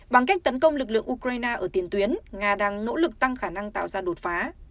bằng cách tấn công lực lượng ukraine ở tiền tuyến nga đang nỗ lực tăng khả năng tạo ra đột phá